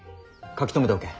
書き留めておけ。